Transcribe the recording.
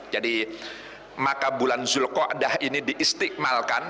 jadi maka bulan zulkodah ini diistimalkan